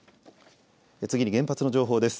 次に原発の情報です。